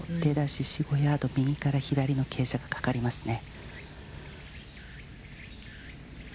４５ヤード、右から左の傾斜がかかりますね。